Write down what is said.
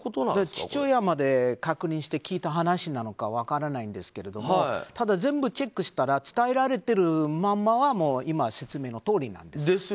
父親まで確認して聞いた話なのか分からないんですけどただ、全部チェックしたら伝えられているままは今、説明のとおりなんです。